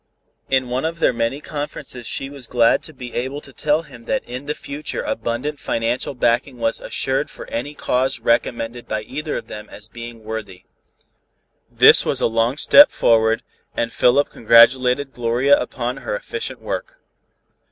In one of their many conferences she was glad to be able to tell him that in the future abundant financial backing was assured for any cause recommended by either of them as being worthy. This was a long step forward, and Philip congratulated Gloria upon her efficient work.